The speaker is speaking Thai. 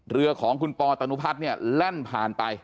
เรือของคุณปอตนุพัฒน์เนี่ยแล่นผ่านไป